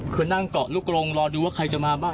คุณต้องก่อนลูกลงรอดูว่าใครจะมาบ้าง